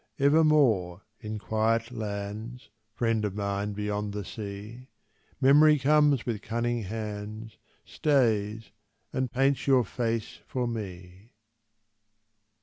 Evermore in quiet lands, Friend of mine beyond the sea, Memory comes with cunning hands, Stays, and paints your face for me.